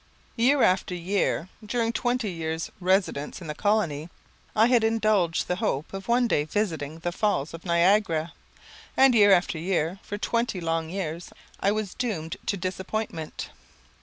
Year after year, during twenty years' residence in the colony, I had indulged the hope of one day visiting the Falls of Niagara, and year after year, for twenty long years, I was doomed to disappointment.